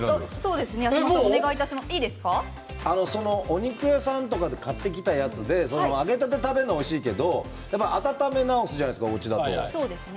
お肉屋さんとかで買ってきたやつで揚げたてを食べるのはおいしいけど温め直すじゃないですかおうちだと。